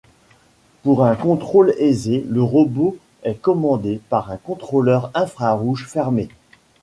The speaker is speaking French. Pour un contrôle aisé, le robot est commandé par un contrôleur infrarouge fermé.